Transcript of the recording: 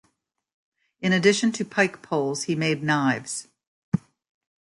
In addition to pike poles he made knives.